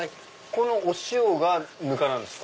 このお塩がぬかなんですか？